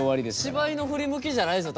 芝居の振り向きじゃないですよ